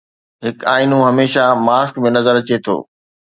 هڪ آئينو هميشه ماسڪ ۾ نظر اچي ٿو